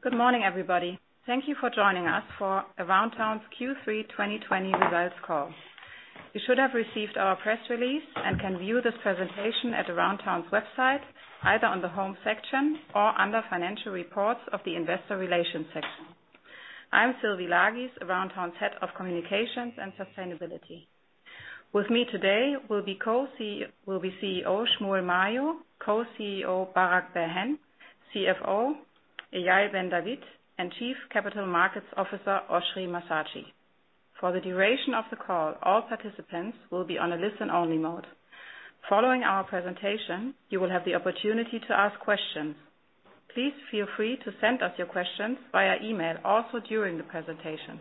Good morning, everybody. Thank you for joining us for Aroundtown's Q3 2021 results call. You should have received our press release and can view this presentation at Aroundtown's website, either on the home section or under financial reports of the investor relations section. I'm Sylvie Lagies, Aroundtown's Head of Communications and Sustainability. With me today will be CEO Shmuel Mayo, co-CEO Barak Bar-Hen, CFO Eyal Ben David, and Chief Capital Markets Officer Oschrie Massatschi. For the duration of the call, all participants will be on a listen-only mode. Following our presentation, you will have the opportunity to ask questions. Please feel free to send us your questions via email, also during the presentation.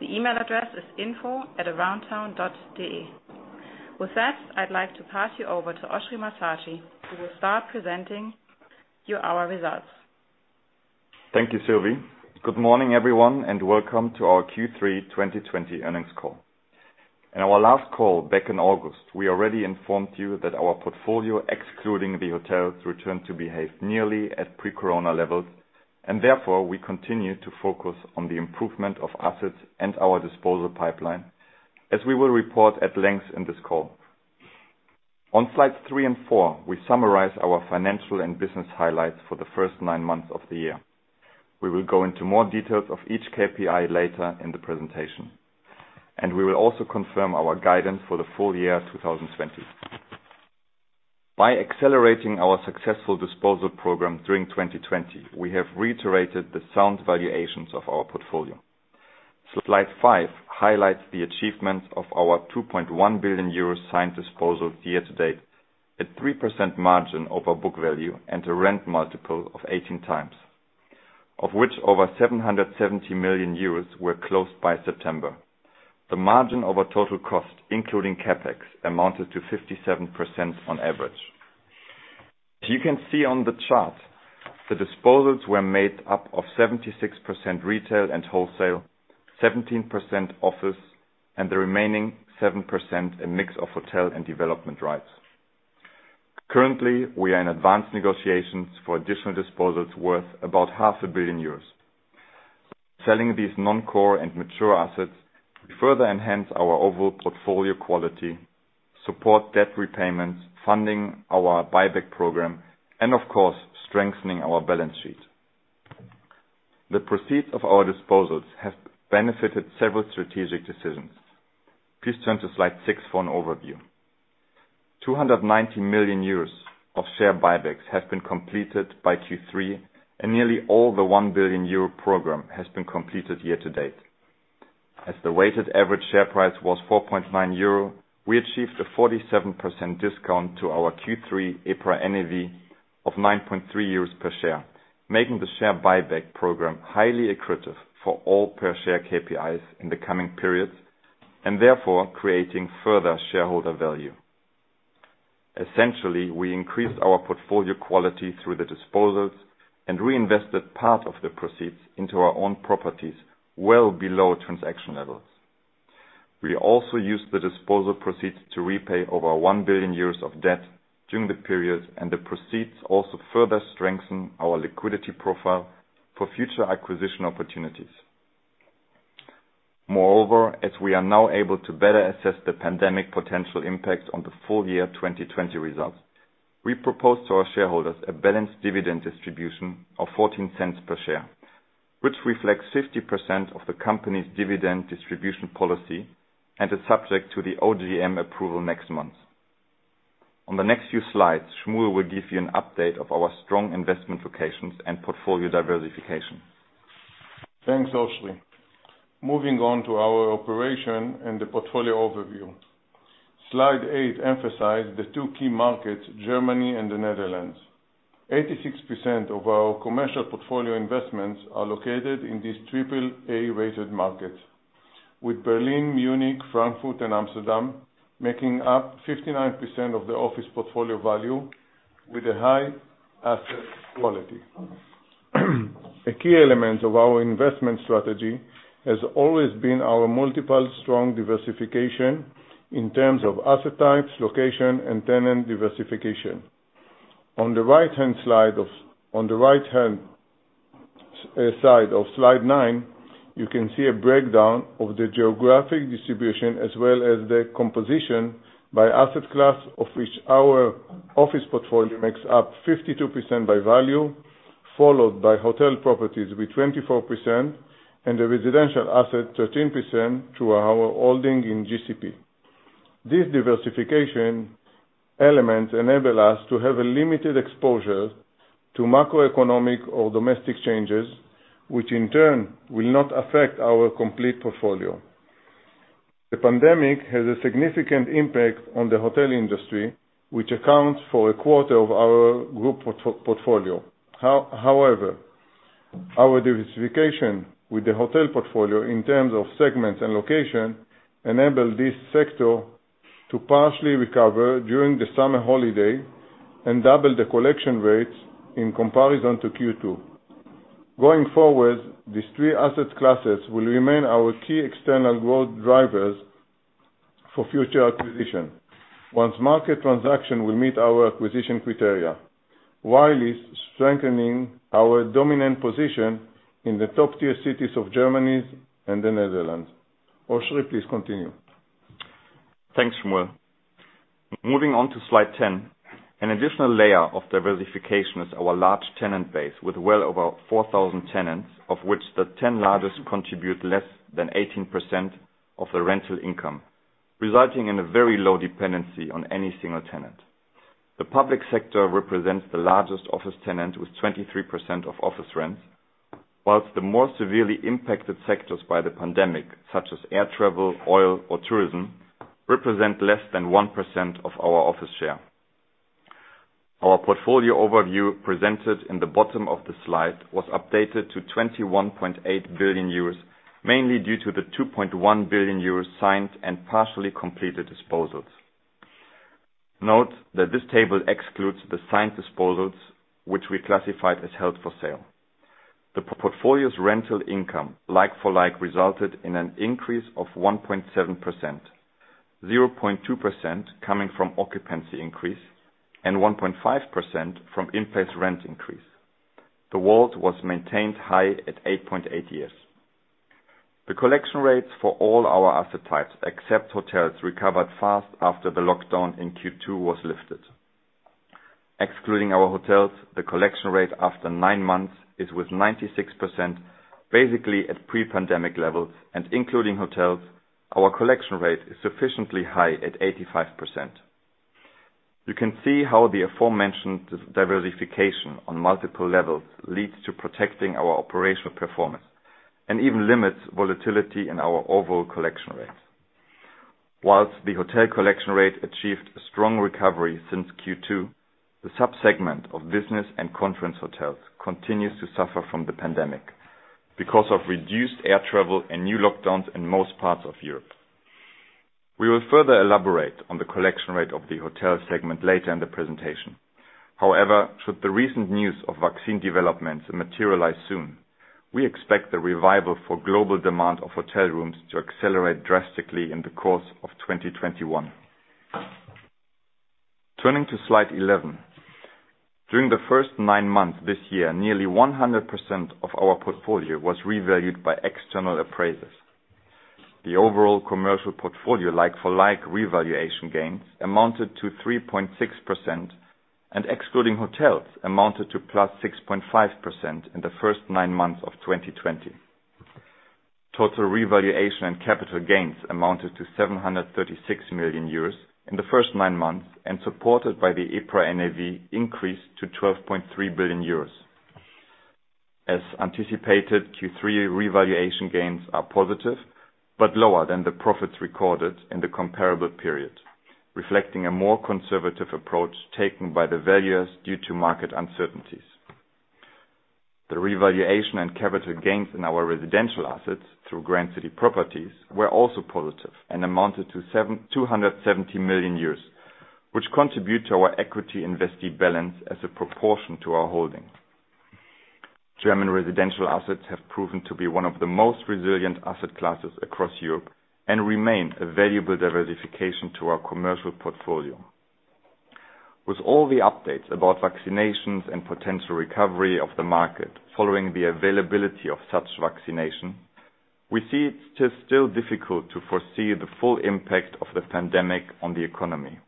The email address is info@aroundtown.de. With that, I'd like to pass you over to Oschrie Massatschi, who will start presenting you our results. Thank you, Sylvie. Good morning, everyone, and welcome to our Q3 2021 earnings call. In our last call back in August, we already informed you that our portfolio, excluding the hotels, returned to behave nearly at pre-corona levels, and therefore, we continue to focus on the improvement of assets and our disposal pipeline, as we will report at length in this call. On slides three and four, we summarize our financial and business highlights for the first nine months of the year. We will go into more details of each KPI later in the presentation, and we will also confirm our guidance for the full year 2020. By accelerating our successful disposal program during 2020, we have reiterated the sound valuations of our portfolio. Slide five highlights the achievements of our 2.1 billion euro signed disposals year to date, a 3% margin over book value, and a rent multiple of 18x, of which over 770 million euros were closed by September. The margin over total cost, including CapEx, amounted to 57% on average. As you can see on the chart, the disposals were made up of 76% retail and wholesale, 17% office, and the remaining 7% a mix of hotel and development rights. Currently, we are in advanced negotiations for additional disposals worth about half a billion EUR. Selling these non-core and mature assets will further enhance our overall portfolio quality, support debt repayments, funding our buyback program, and of course, strengthening our balance sheet. The proceeds of our disposals have benefited several strategic decisions. Please turn to slide six for an overview. 290 million euros of share buybacks have been completed by Q3, and nearly all the 1 billion euro program has been completed year to date. As the weighted average share price was 4.9 euro, we achieved a 47% discount to our Q3 EPRA NAV of 9.3 euros per share, making the share buyback program highly accretive for all per-share KPIs in the coming periods, and therefore, creating further shareholder value. Essentially, we increased our portfolio quality through the disposals and reinvested part of the proceeds into our own properties well below transaction levels. We also used the disposal proceeds to repay over 1 billion euros of debt during the period, and the proceeds also further strengthen our liquidity profile for future acquisition opportunities. Moreover, as we are now able to better assess the pandemic potential impact on the full year 2020 results, we propose to our shareholders a balanced dividend distribution of 0.14 per share, which reflects 50% of the company's dividend distribution policy and is subject to the OGM approval next month. On the next few slides, Shmuel will give you an update of our strong investment locations and portfolio diversification. Thanks, Oschrie. Moving on to our operation and the portfolio overview. Slide eight emphasize the two key markets, Germany and the Netherlands. 86% of our commercial portfolio investments are located in these triple A-rated markets, with Berlin, Munich, Frankfurt, and Amsterdam making up 59% of the office portfolio value with a high asset quality. A key element of our investment strategy has always been our multiple strong diversification in terms of asset types, location, and tenant diversification. On the right-hand side of Slide nine, you can see a breakdown of the geographic distribution as well as the composition by asset class, of which our office portfolio makes up 52% by value, followed by hotel properties with 24% and the residential asset 13% through our holding in GCP. These diversification elements enable us to have a limited exposure to macroeconomic or domestic changes, which in turn will not affect our complete portfolio. The pandemic has a significant impact on the hotel industry, which accounts for a quarter of our group portfolio. However, our diversification with the hotel portfolio in terms of segments and location enable this sector to partially recover during the summer holiday and double the collection rates in comparison to Q2. Going forward, these three asset classes will remain our key external growth drivers for future acquisitions. Once market transactions meet our acquisition criteria, while strengthening our dominant position in the top-tier cities of Germany's and the Netherlands. Oschrie, please continue. Thanks, Shmuel. Moving on to slide 10. An additional layer of diversification is our large tenant base with well over 4,000 tenants, of which the 10 largest contribute less than 18% of the rental income, resulting in a very low dependency on any single tenant. The public sector represents the largest office tenant with 23% of office rents, while the more severely impacted sectors by the pandemic, such as air travel, oil or tourism, represent less than 1% of our office share. Our portfolio overview presented in the bottom of the slide was updated to 21.8 billion euros, mainly due to the 2.1 billion euros signed and partially completed disposals. Note that this table excludes the signed disposals which we classified as held for sale. The portfolio's rental income, like for like, resulted in an increase of 1.7%, 0.2% coming from occupancy increase and 1.5% from in-place rent increase. The WALT was maintained high at 8.8 years. The collection rates for all our asset types, except hotels, recovered fast after the lockdown in Q2 was lifted. Excluding our hotels, the collection rate after nine months is at 96%, basically at pre-pandemic levels, and including hotels, our collection rate is sufficiently high at 85%. You can see how the aforementioned diversification on multiple levels leads to protecting our operational performance and even limits volatility in our overall collection rates. While the hotel collection rate achieved a strong recovery since Q2, the subsegment of business and conference hotels continues to suffer from the pandemic because of reduced air travel and new lockdowns in most parts of Europe. We will further elaborate on the collection rate of the hotel segment later in the presentation. However, should the recent news of vaccine developments materialize soon, we expect the revival for global demand of hotel rooms to accelerate drastically in the course of 2021. Turning to slide 11. During the first nine months this year, nearly 100% of our portfolio was revalued by external appraisers. The overall commercial portfolio, like for like revaluation gains, amounted to 3.6% and excluding hotels, amounted to 6.5% in the first nine months of 2020. Total revaluation and capital gains amounted to 736 million euros in the first nine months and supported by the EPRA NAV increase to 12.3 billion euros. As anticipated, Q3 revaluation gains are positive but lower than the profits recorded in the comparable period, reflecting a more conservative approach taken by the valuers due to market uncertainties. The revaluation and capital gains in our residential assets through Grand City Properties were also positive and amounted to 270 million euros, which contribute to our equity investee balance as a proportion to our holdings. German residential assets have proven to be one of the most resilient asset classes across Europe and remain a valuable diversification to our commercial portfolio. With all the updates about vaccinations and potential recovery of the market following the availability of such vaccinations, we see it's still difficult to foresee the full impact of the pandemic on the economy.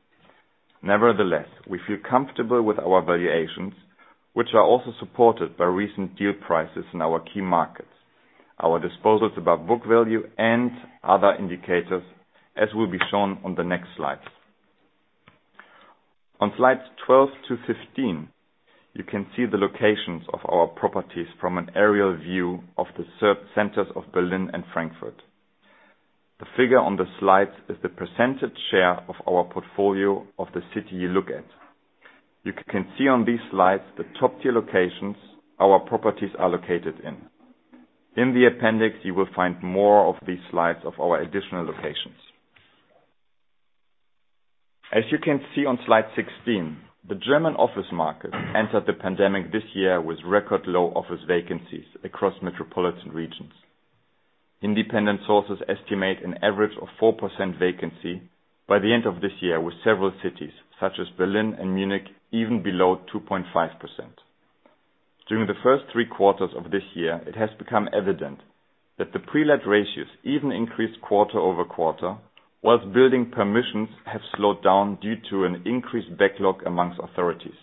Nevertheless, we feel comfortable with our valuations, which are also supported by recent deal prices in our key markets, our disposals above book value, and other indicators, as will be shown on the next slides. On slides 12 to 15, you can see the locations of our properties from an aerial view of the sub centers of Berlin and Frankfurt. The figure on the slides is the percentage share of our portfolio of the city you look at. You can see on these slides the top tier locations our properties are located in. In the appendix, you will find more of these slides of our additional locations. As you can see on slide 16, the German office market entered the pandemic this year with record low office vacancies across metropolitan regions. Independent sources estimate an average of 4% vacancy by the end of this year with several cities, such as Berlin and Munich, even below 2.5%. During the first three quarters of this year, it has become evident that the pre-let ratios even increased quarter over quarter, whilst building permissions have slowed down due to an increased backlog amongst authorities.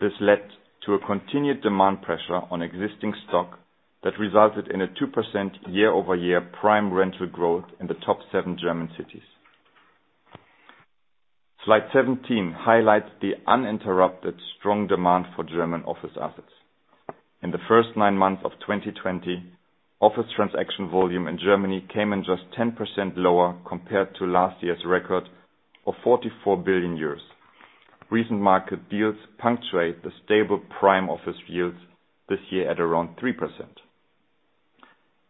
This led to a continued demand pressure on existing stock that resulted in a 2% year-over-year prime rental growth in the top seven German cities. Slide 17 highlights the uninterrupted strong demand for German office assets. In the first nine months of 2020, office transaction volume in Germany came in just 10% lower compared to last year's record of 44 billion euros. Recent market deals punctuate the stable prime office yields this year at around 3%.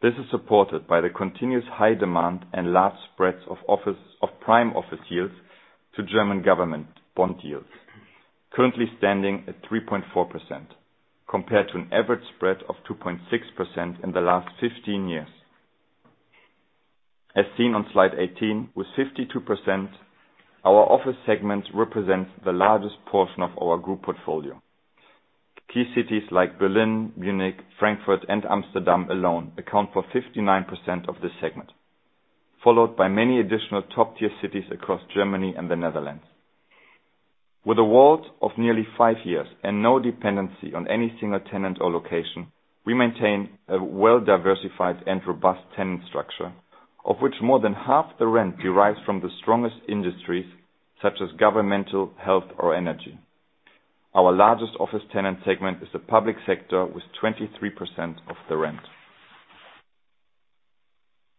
This is supported by the continuous high demand and large spreads of prime office yields to German government bond yields. Currently standing at 3.4% compared to an average spread of 2.6% in the last 15 years. As seen on slide 18, with 52%, our office segment represents the largest portion of our group portfolio. Key cities like Berlin, Munich, Frankfurt and Amsterdam alone account for 59% of this segment, followed by many additional top-tier cities across Germany and the Netherlands. With a WALT of nearly five years and no dependency on any single tenant or location, we maintain a well-diversified and robust tenant structure, of which more than half the rent derives from the strongest industries, such as governmental, health or energy. Our largest office tenant segment is the public sector with 23% of the rent.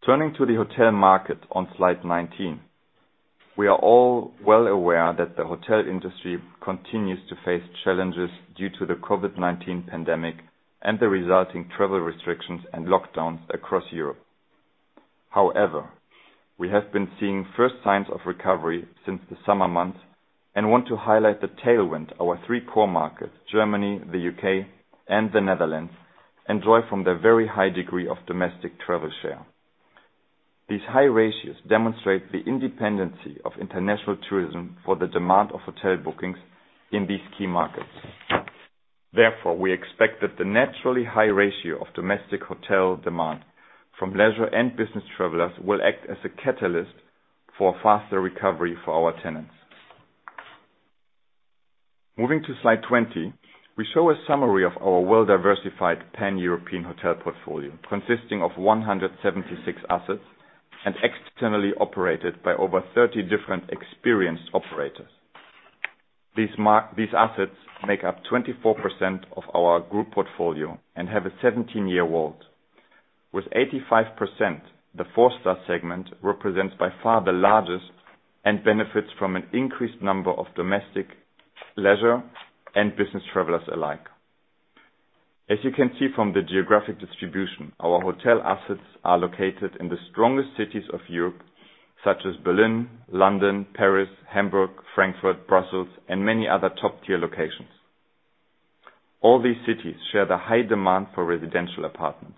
Turning to the hotel market on slide 19. We are all well aware that the hotel industry continues to face challenges due to the COVID-19 pandemic and the resulting travel restrictions and lockdowns across Europe. However, we have been seeing first signs of recovery since the summer months and want to highlight the tailwind our three core markets, Germany, the U.K., and the Netherlands, enjoy from their very high degree of domestic travel share. These high ratios demonstrate the independence of international tourism for the demand of hotel bookings in these key markets. Therefore, we expect that the naturally high ratio of domestic hotel demand from leisure and business travelers will act as a catalyst for faster recovery for our tenants. Moving to slide 20, we show a summary of our well-diversified pan-European hotel portfolio consisting of 176 assets and externally operated by over 30 different experienced operators. These assets make up 24% of our group portfolio and have a 17-year WALT. With 85%, the four-star segment represents by far the largest and benefits from an increased number of domestic, leisure, and business travelers alike. As you can see from the geographic distribution, our hotel assets are located in the strongest cities of Europe, such as Berlin, London, Paris, Hamburg, Frankfurt, Brussels, and many other top-tier locations. All these cities share the high demand for residential apartments,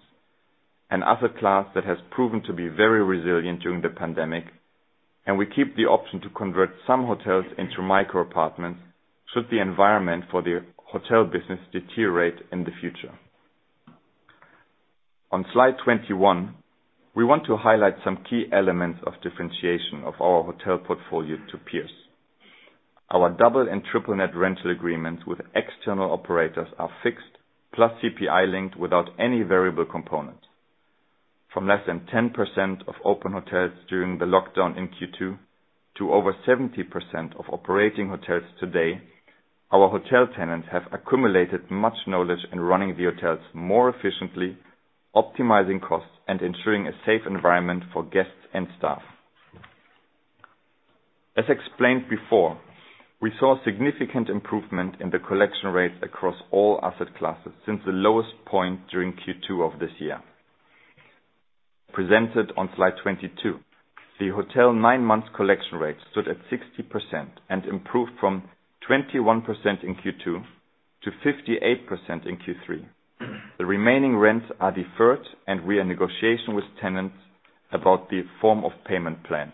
an asset class that has proven to be very resilient during the pandemic, and we keep the option to convert some hotels into micro apartments should the environment for the hotel business deteriorate in the future. On slide 21, we want to highlight some key elements of differentiation of our hotel portfolio to peers. Our double and triple net rental agreements with external operators are fixed, plus CPI linked without any variable components. From less than 10% of open hotels during the lockdown in Q2 to over 70% of operating hotels today, our hotel tenants have accumulated much knowledge in running the hotels more efficiently, optimizing costs, and ensuring a safe environment for guests and staff. As explained before, we saw significant improvement in the collection rates across all asset classes since the lowest point during Q2 of this year. Presented on slide 22, the hotel nine-month collection rate stood at 60% and improved from 21% in Q2 to 58% in Q3. The remaining rents are deferred, and we are in negotiation with tenants about the form of payment plans.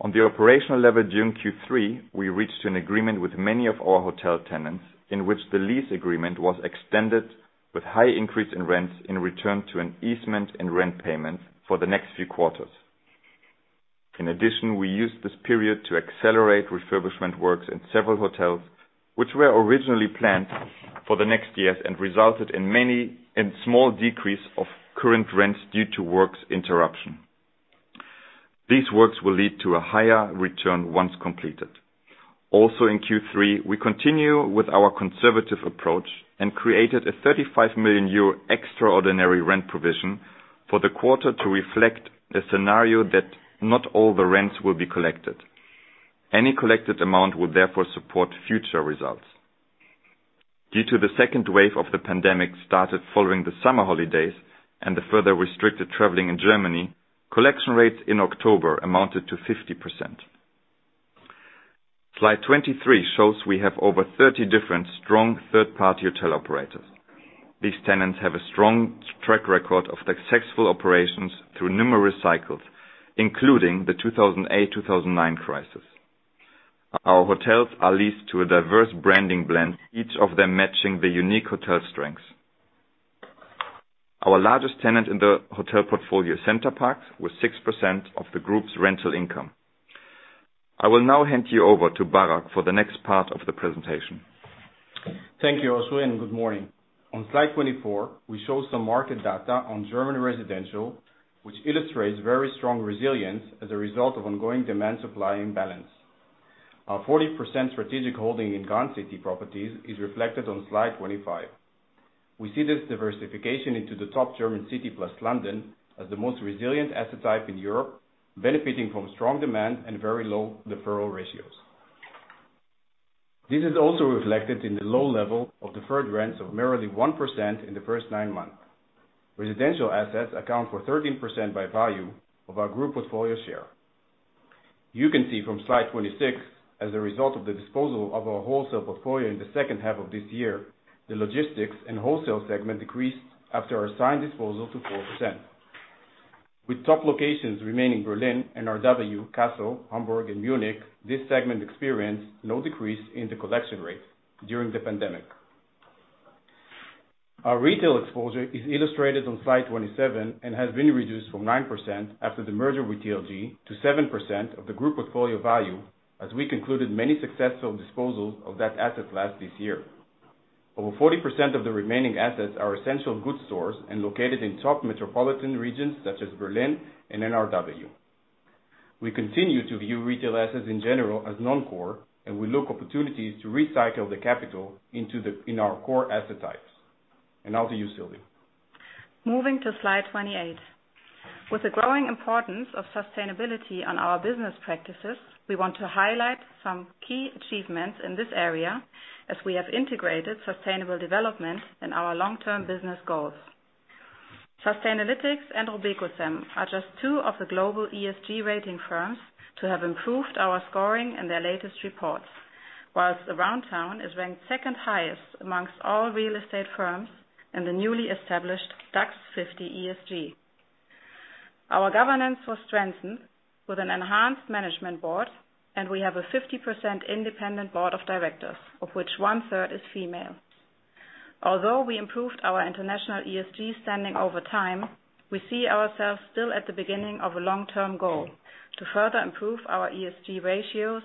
On the operational level during Q3, we reached an agreement with many of our hotel tenants in which the lease agreement was extended with high increase in rents in return for an easement in rent payment for the next few quarters. In addition, we used this period to accelerate refurbishment works in several hotels, which were originally planned for the next years and resulted in a small decrease of current rents due to works interruption. These works will lead to a higher return once completed. Also in Q3, we continue with our conservative approach and created a 35 million euro extraordinary rent provision for the quarter to reflect the scenario that not all the rents will be collected. Any collected amount will therefore support future results. Due to the second wave of the pandemic started following the summer holidays and the further restricted traveling in Germany, collection rates in October amounted to 50%. Slide 23 shows we have over 30 different strong third-party hotel operators. These tenants have a strong track record of successful operations through numerous cycles, including the 2008, 2009 crisis. Our hotels are leased to a diverse branding blend, each of them matching the unique hotel strengths. Our largest tenant in the hotel portfolio, Center Parcs, with 6% of the group's rental income. I will now hand you over to Barak for the next part of the presentation. Thank you, Oschrie, and good morning. On slide 24, we show some market data on German residential, which illustrates very strong resilience as a result of ongoing demand-supply imbalance. Our 40% strategic holding in Grand City Properties is reflected on slide 25. We see this diversification into the top German city plus London as the most resilient asset type in Europe, benefiting from strong demand and very low deferral ratios. This is also reflected in the low level of deferred rents of merely 1% in the first nine months. Residential assets account for 13% by value of our group portfolio share. You can see from slide 26, as a result of the disposal of our wholesale portfolio in the second half of this year, the logistics and wholesale segment decreased after our assigned disposal to 4%. With top locations remaining Berlin, NRW, Kassel, Hamburg and Munich, this segment experienced no decrease in the collection rate during the pandemic. Our retail exposure is illustrated on slide 27, and has been reduced from 9% after the merger with TLG to 7% of the group portfolio value, as we concluded many successful disposals of that asset class this year. Over 40% of the remaining assets are essential goods stores and located in top metropolitan regions such as Berlin and NRW. We continue to view retail assets in general as non-core, and we look for opportunities to recycle the capital into our core asset types. Now to you, Sylvie. Moving to slide 28. With the growing importance of sustainability on our business practices, we want to highlight some key achievements in this area as we have integrated sustainable development in our long-term business goals. Sustainalytics and RobecoSAM are just two of the global ESG rating firms to have improved our scoring in their latest reports. While Aroundtown is ranked second highest among all real estate firms in the newly established DAX 50 ESG. Our governance was strengthened with an enhanced management board, and we have a 50% independent board of directors, of which one-third is female. Although we improved our international ESG standing over time, we see ourselves still at the beginning of a long-term goal to further improve our ESG ratios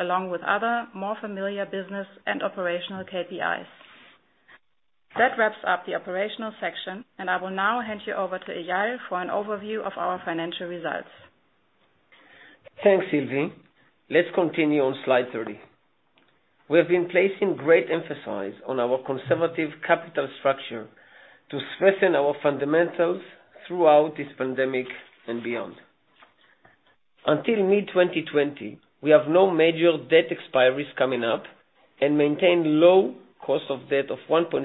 along with other more familiar business and operational KPIs. That wraps up the operational section, and I will now hand you over to Eyal for an overview of our financial results. Thanks, Sylvie. Let's continue on slide 30. We have been placing great emphasis on our conservative capital structure to strengthen our fundamentals throughout this pandemic and beyond. Until mid-2020, we have no major debt expiries coming up, and maintain low cost of debt of 1.6%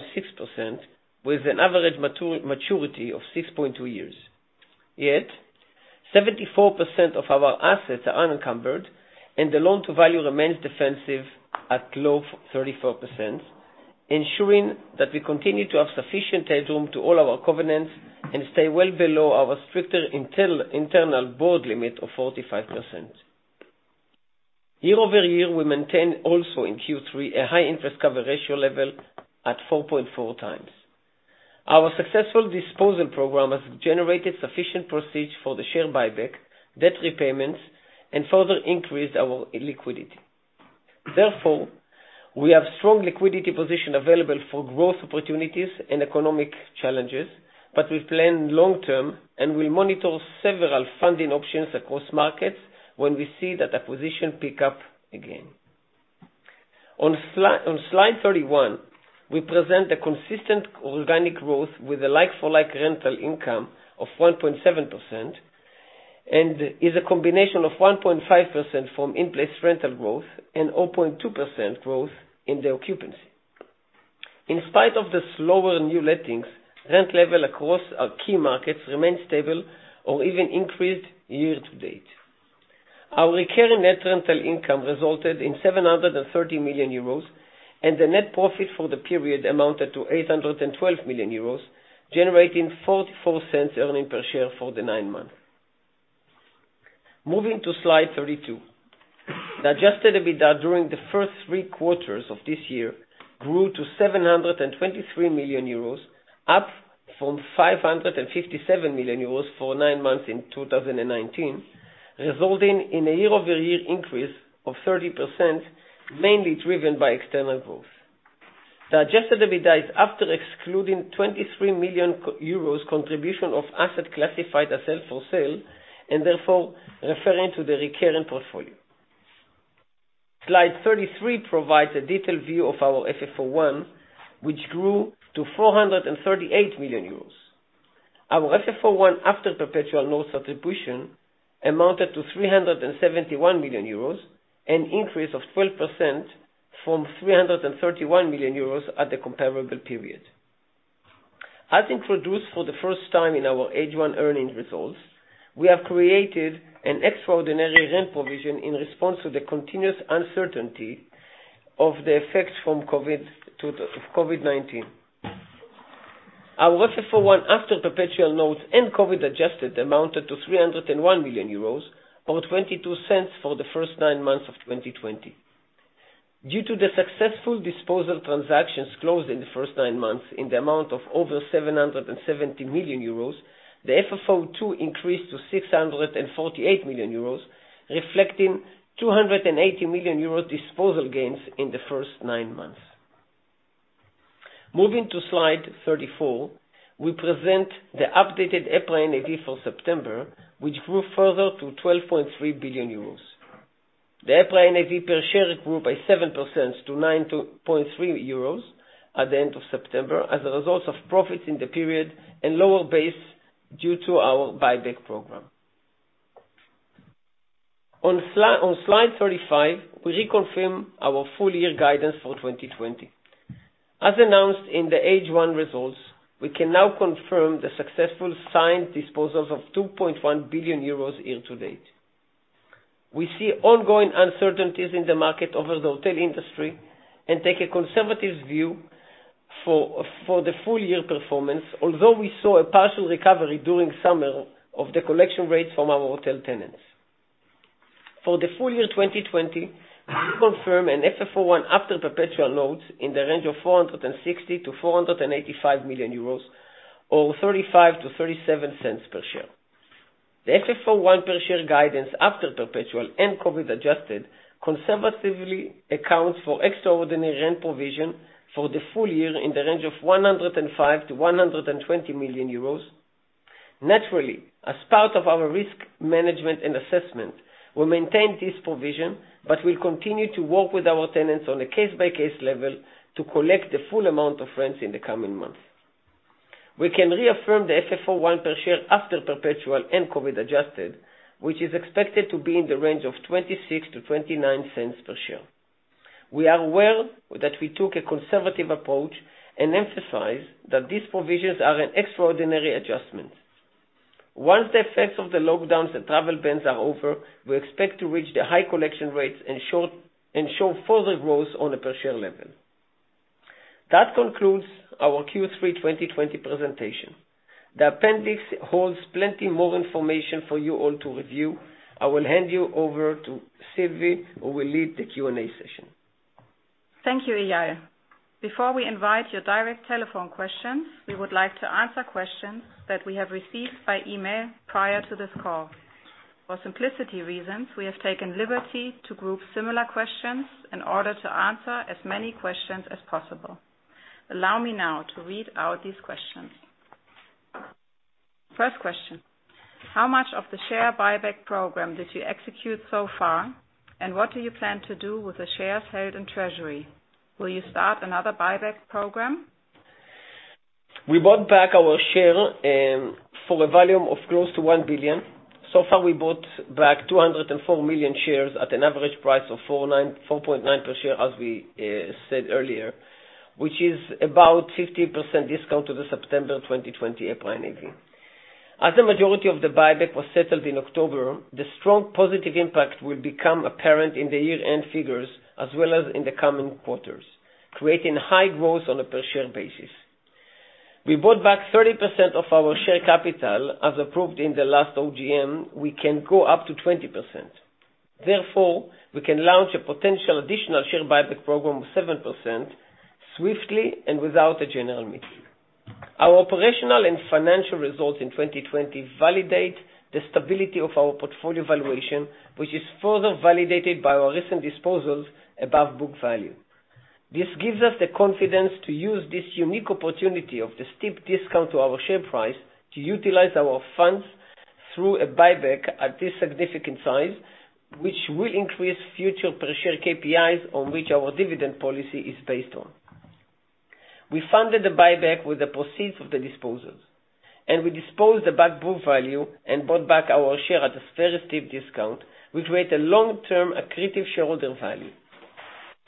with an average maturity of 6.2 years. Yet 74% of our assets are unencumbered, and the loan to value remains defensive at low 34%, ensuring that we continue to have sufficient headroom above all our covenants and stay well below our stricter internal board limit of 45%. Year-over-year, we maintain also in Q3 a high interest cover ratio level at 4.4x. Our successful disposal program has generated sufficient proceeds for the share buyback, debt repayments, and further increased our liquidity. Therefore, we have strong liquidity position available for growth opportunities and economic challenges, but we plan long-term and will monitor several funding options across markets when we see that acquisition pick up again. On slide 31, we present the consistent organic growth with a like-for-like rental income of 1.7%, and is a combination of 1.5% from in-place rental growth and 0.2% growth in the occupancy. In spite of the slower new lettings, rent level across our key markets remained stable or even increased year to date. Our recurring net rental income resulted in 730 million euros, and the net profit for the period amounted to 812 million euros, generating 0.44 earning per share for the nine months. Moving to slide 32. The adjusted EBITDA during the first three quarters of this year grew to 723 million euros, up from 557 million euros for nine months in 2019, resulting in a year-over-year increase of 30%, mainly driven by external growth. The adjusted EBITDA is after excluding 23 million euros contribution of asset classified as held for sale, and therefore referring to the recurring portfolio. Slide 33 provides a detailed view of our FFO I, which grew to 438 million euros. Our FFO I after perpetual notes attribution amounted to 371 million euros, an increase of 12% from 331 million euros at the comparable period. As introduced for the first time in our H1 earnings results, we have created an extraordinary rent provision in response to the continuous uncertainty of the effects from COVID-19. Our FFO I after perpetual notes and COVID-adjusted amounted to 301 million euros, or 0.22 for the first nine months of 2020. Due to the successful disposal transactions closed in the first nine months in the amount of over 770 million euros, the FFO II increased to 648 million euros, reflecting 280 million euros disposal gains in the first nine months. Moving to slide 34, we present the updated EPRA NAV for September, which grew further to 12.3 billion euros. The EPRA NAV per share grew by 7% to 9.3 euros at the end of September as a result of profits in the period and lower base due to our buyback program. On slide 35, we reconfirm our full-year guidance for 2020. As announced in the H1 results, we can now confirm the successful signed disposals of 2.1 billion euros year to date. We see ongoing uncertainties in the market over the hotel industry and take a conservative view for the full-year performance, although we saw a partial recovery during summer of the collection rates from our hotel tenants. For the full year 2020, we confirm an FFO I after perpetual notes in the range of 460 million-485 million euros, or 0.35-0.37 per share. The FFO I per share guidance after perpetual and COVID adjusted conservatively accounts for extraordinary rent provision for the full year in the range of 105 million-120 million euros. Naturally, as part of our risk management and assessment, we maintain this provision, but we'll continue to work with our tenants on a case-by-case level to collect the full amount of rents in the coming months. We can reaffirm the FFO I per share after perpetual and COVID adjusted, which is expected to be in the range of 0.26-0.29 per share. We are aware that we took a conservative approach and emphasize that these provisions are an extraordinary adjustment. Once the effects of the lockdowns and travel bans are over, we expect to reach the high collection rates and show further growth on a per share level. That concludes our Q3 2020 presentation. The appendix holds plenty more information for you all to review. I will hand you over to Sylvie, who will lead the Q&A session. Thank you, Eyal. Before we invite your direct telephone questions, we would like to answer questions that we have received by email prior to this call. For simplicity reasons, we have taken liberty to group similar questions in order to answer as many questions as possible. Allow me now to read out these questions. First question: How much of the share buyback program did you execute so far, and what do you plan to do with the shares held in Treasury? Will you start another buyback program? We bought back our share for a volume of close to 1 billion. Far, we bought back 204 million shares at an average price of 4.9 per share, as we said earlier, which is about 50% discount to the September 2020 EPRA NAV. The majority of the buyback was settled in October, the strong positive impact will become apparent in the year-end figures as well as in the coming quarters, creating high growth on a per share basis. We bought back 30% of our share capital. As approved in the last OGM, we can go up to 20%. Therefore, we can launch a potential additional share buyback program of 7% swiftly and without a general meeting. Our operational and financial results in 2020 validate the stability of our portfolio valuation, which is further validated by our recent disposals above book value. This gives us the confidence to use this unique opportunity of the steep discount to our share price to utilize our funds through a buyback at this significant size, which will increase future per share KPIs on which our dividend policy is based on. We funded the buyback with the proceeds of the disposals, and we disposed above book value and bought back our share at a very steep discount, which created long-term accretive shareholder value.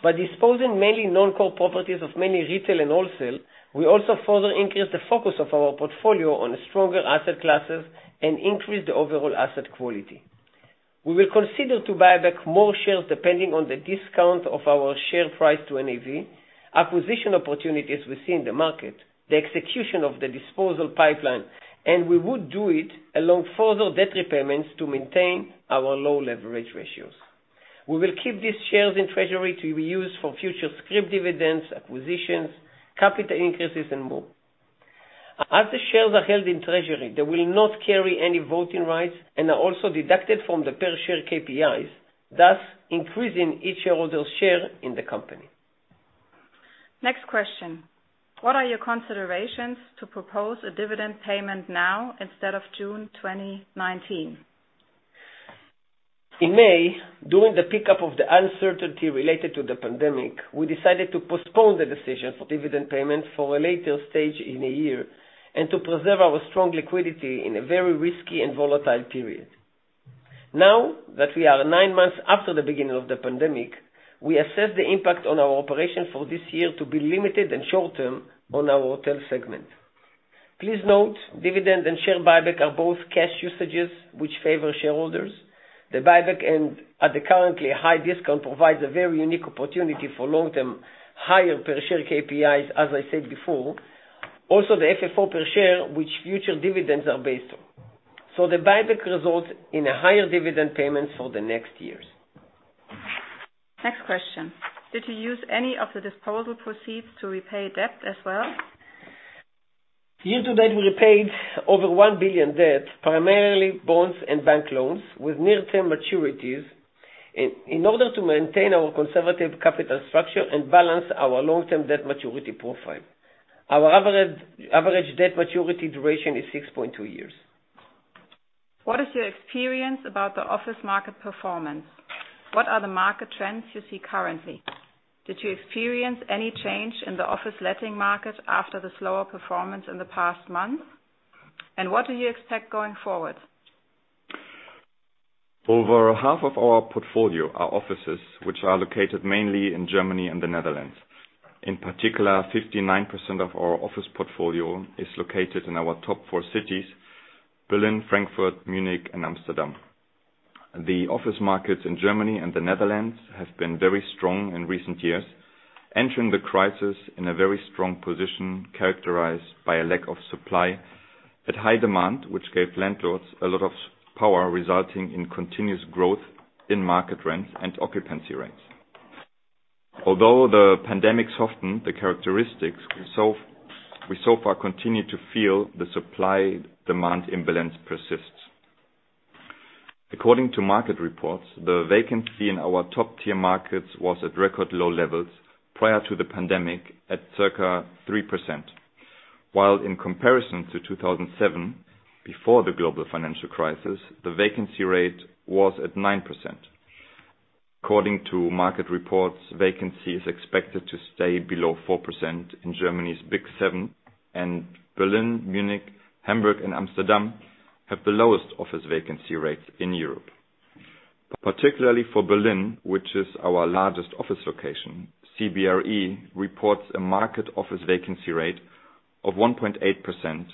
By disposing mainly non-core properties of mainly retail and wholesale, we also further increased the focus of our portfolio on stronger asset classes and increased the overall asset quality. We will consider to buy back more shares depending on the discount of our share price to NAV, acquisition opportunities we see in the market, the execution of the disposal pipeline, and we would do it along further debt repayments to maintain our low leverage ratios. We will keep these shares in Treasury to be used for future scrip dividends, acquisitions, capital increases, and more. As the shares are held in Treasury, they will not carry any voting rights and are also deducted from the per share KPIs, thus increasing each shareholder's share in the company. Next question: What are your considerations to propose a dividend payment now instead of June 2019? In May, during the pickup of the uncertainty related to the pandemic, we decided to postpone the decision for dividend payments for a later stage in the year and to preserve our strong liquidity in a very risky and volatile period. Now that we are nine months after the beginning of the pandemic, we assess the impact on our operation for this year to be limited and short-term on our hotel segment. Please note, dividend and share buyback are both cash usages which favor shareholders. The buyback and at the currently high discount provides a very unique opportunity for long-term higher per share KPIs, as I said before. Also, the FFO per share, which future dividends are based on. The buyback results in a higher dividend payment for the next years. Next question: Did you use any of the disposal proceeds to repay debt as well? Year to date, we repaid over 1 billion debt, primarily bonds and bank loans with near-term maturities in order to maintain our conservative capital structure and balance our long-term debt maturity profile. Our average debt maturity duration is 6.2 years. What is your experience about the office market performance? What are the market trends you see currently? Did you experience any change in the office letting market after the slower performance in the past months? What do you expect going forward? Over half of our portfolio are offices which are located mainly in Germany and the Netherlands. In particular, 59% of our office portfolio is located in our top four cities, Berlin, Frankfurt, Munich and Amsterdam. The office markets in Germany and the Netherlands have been very strong in recent years, entering the crisis in a very strong position, characterized by a lack of supply and high demand, which gave landlords a lot of pricing power, resulting in continuous growth in market rent and occupancy rates. Although the pandemic softened the characteristics, we so far continue to feel the supply-demand imbalance persists. According to market reports, the vacancy in our top-tier markets was at record low levels prior to the pandemic at circa 3%. While in comparison to 2007, before the global financial crisis, the vacancy rate was at 9%. According to market reports, vacancy is expected to stay below 4% in Germany's big seven, and Berlin, Munich, Hamburg and Amsterdam have the lowest office vacancy rates in Europe. Particularly for Berlin, which is our largest office location. CBRE reports a market office vacancy rate of 1.8%,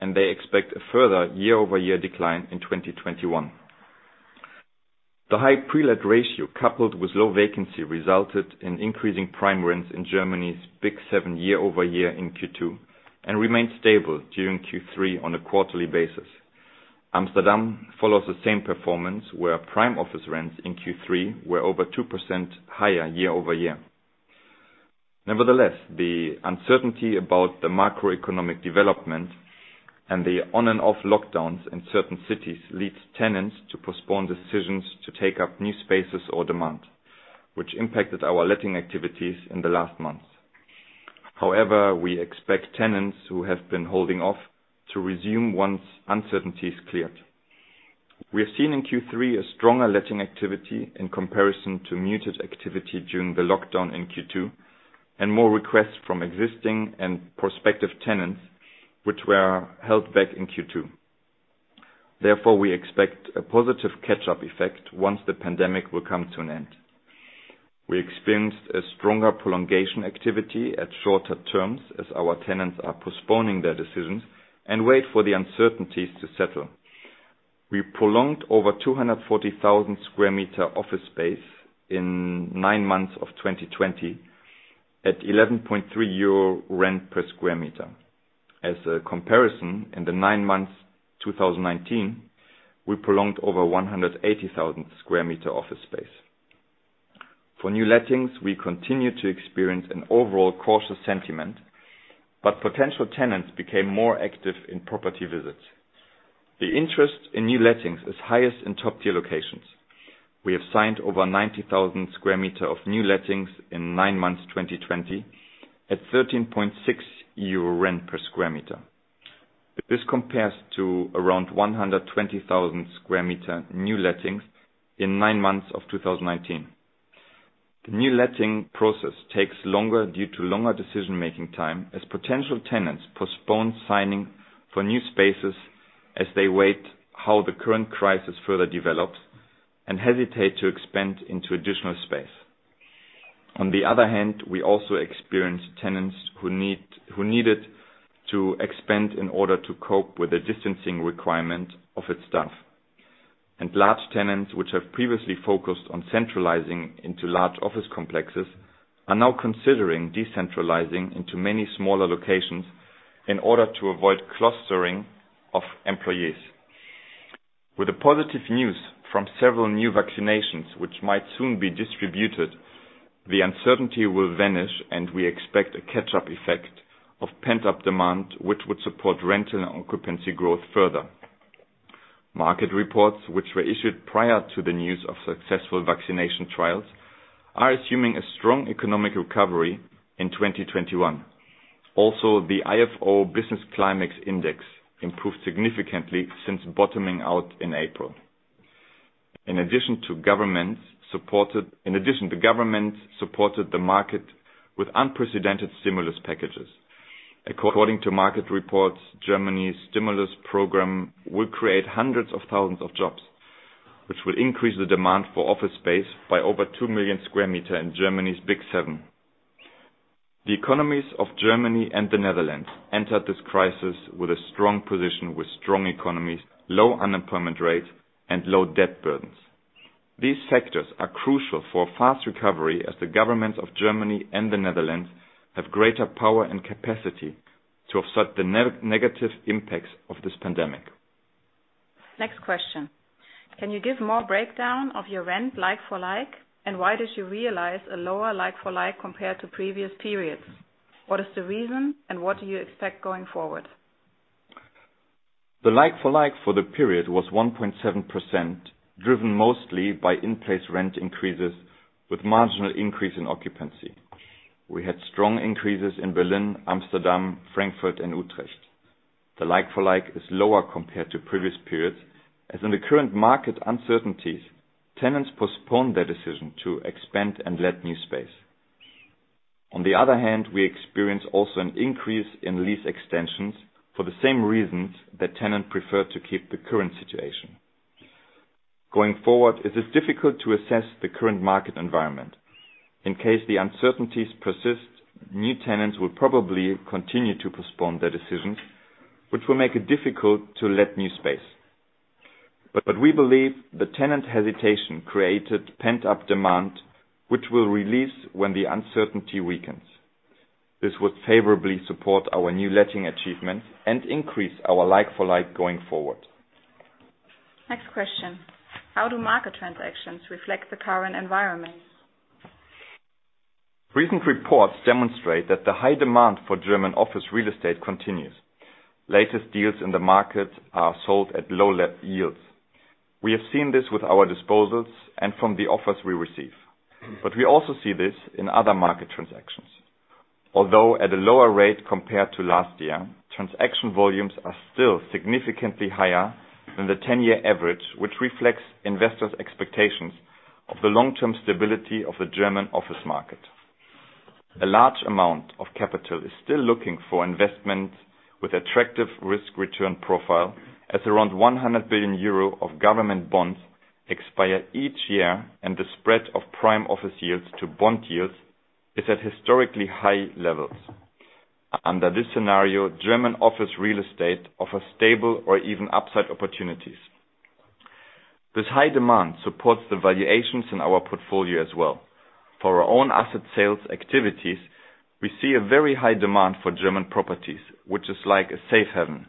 and they expect a further year-over-year decline in 2021. The high pre-let ratio, coupled with low vacancy, resulted in increasing prime rents in Germany's big seven year-over-year in Q2, and remained stable during Q3 on a quarterly basis. Amsterdam follows the same performance, where prime office rents in Q3 were over 2% higher year-over-year. Nevertheless, the uncertainty about the macroeconomic development and the on and off lockdowns in certain cities leads tenants to postpone decisions to take up new spaces or demand, which impacted our letting activities in the last months. However, we expect tenants who have been holding off to resume once uncertainty is cleared. We have seen in Q3 a stronger letting activity in comparison to muted activity during the lockdown in Q2, and more requests from existing and prospective tenants which were held back in Q2. Therefore, we expect a positive catch-up effect once the pandemic will come to an end. We experienced a stronger prolongation activity at shorter terms as our tenants are postponing their decisions and wait for the uncertainties to settle. We prolonged over 240,000 sq m office space in nine months of 2020 at 11.3 euro rent per square meter. As a comparison, in the nine months 2019, we prolonged over 180,000 sq m office space. For new lettings, we continue to experience an overall cautious sentiment, but potential tenants became more active in property visits. The interest in new lettings is highest in top tier locations. We have signed over 90,000 sq m of new lettings in nine months, 2020, at 13.6 euro rent per square meter. This compares to around 120,000 sq m new lettings in nine months of 2019. The new letting process takes longer due to longer decision making time as potential tenants postpone signing for new spaces as they wait how the current crisis further develops and hesitate to expand into additional space. On the other hand, we also experience tenants who needed to expand in order to cope with the distancing requirement of its staff. Large tenants, which have previously focused on centralizing into large office complexes, are now considering decentralizing into many smaller locations in order to avoid clustering of employees. With the positive news from several new vaccinations, which might soon be distributed, the uncertainty will vanish and we expect a catch up effect of pent-up demand, which would support rental and occupancy growth further. Market reports, which were issued prior to the news of successful vaccination trials, are assuming a strong economic recovery in 2021. Also, the Ifo Business Climate Index improved significantly since bottoming out in April. In addition, the government supported the market with unprecedented stimulus packages. According to market reports, Germany's stimulus program will create hundreds of thousands of jobs, which will increase the demand for office space by over 2,000,000 sq m in Germany's big seven. The economies of Germany and the Netherlands entered this crisis with a strong position with strong economies, low unemployment rate, and low debt burdens. These factors are crucial for a fast recovery as the governments of Germany and the Netherlands have greater power and capacity to offset the negative impacts of this pandemic. Next question. Can you give more breakdown of your rent like for like, and why did you realize a lower like for like compared to previous periods? What is the reason and what do you expect going forward? The like-for-like for the period was 1.7%, driven mostly by in-place rent increases with marginal increase in occupancy. We had strong increases in Berlin, Amsterdam, Frankfurt and Utrecht. The like-for-like is lower compared to previous periods. As in the current market uncertainties, tenants postponed their decision to expand and let new space. On the other hand, we experience also an increase in lease extensions for the same reasons that tenants prefer to keep the current situation. Going forward, it is difficult to assess the current market environment. In case the uncertainties persist, new tenants will probably continue to postpone their decisions, which will make it difficult to let new space. We believe the tenants' hesitation created pent-up demand, which will release when the uncertainty weakens. This would favorably support our new letting achievements and increase our like-for-like going forward. Next question. How do market transactions reflect the current environment? Recent reports demonstrate that the high demand for German office real estate continues. Latest deals in the market are sold at low yields. We have seen this with our disposals and from the offers we receive. We also see this in other market transactions. Although at a lower rate compared to last year, transaction volumes are still significantly higher than the 10-year average, which reflects investors' expectations of the long-term stability of the German office market. A large amount of capital is still looking for investment with attractive risk-return profile, as around 100 billion euro of government bonds expire each year, and the spread of prime office yields to bond yields is at historically high levels. Under this scenario, German office real estate offers stable or even upside opportunities. This high demand supports the valuations in our portfolio as well. For our own asset sales activities, we see a very high demand for German properties, which is like a safe haven.